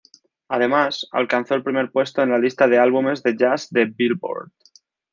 Además, alcanzó el primer puesto en la lista de álbumes de "jazz" de "Billboard".